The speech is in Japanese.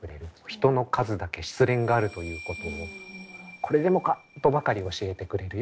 人の数だけ失恋があるということを「これでもか」とばかり教えてくれるような小説集ですね。